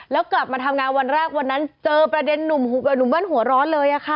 แล้วกลับมาทำงานวันแรกวันนั้นเจอประเด็นหนุ่มเบิ้ลหัวร้อนเลยค่ะ